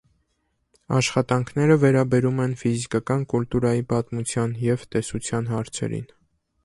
Աշխատանքները վերաբերում են ֆիզիկական կուլտուրայի պատմության և տեսության հարցերին։